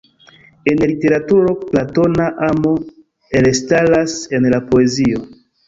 En literaturo platona amo elstaras en la poezio.